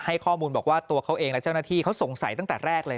ข้อมูลบอกว่าตัวเขาเองและเจ้าหน้าที่เขาสงสัยตั้งแต่แรกเลย